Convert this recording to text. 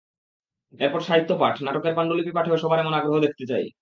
এরপর সাহিত্য পাঠ, নাটকের পাণ্ডুলিপি পাঠেও সবার এমন আগ্রহ দেখতে চাই।